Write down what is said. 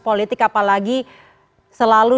politik apalagi selalu